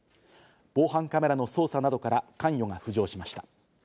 防犯カメラの捜査などから関与が浮上しました。